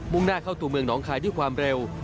่งหน้าเข้าตัวเมืองน้องคายด้วยความเร็ว